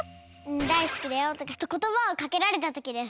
だいすきだよとかことばをかけられたときです。